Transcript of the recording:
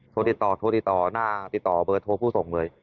โทรติดต่อโทรติดต่อหน้าติดต่อเบอร์โทรผู้ส่งเลย